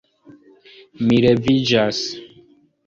Mi leviĝas.